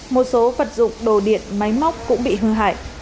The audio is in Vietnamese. một số vật dụng đồ điện máy móc cũng bị hư hại